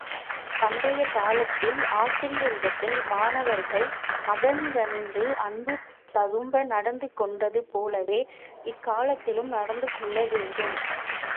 பண்டைக் காலத்தில், ஆசிரியரிடத்தில் மாணவர்கள் அகங்கனிந்து அன்பு ததும்ப நடந்து கொண்டது போலவே, இக்காலத்திலும் நடந்துகொள்ள வேண்டும்.